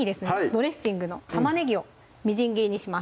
ドレッシングの玉ねぎをみじん切りにします